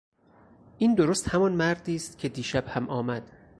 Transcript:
این درست همان مردی است که دیشب هم آمد.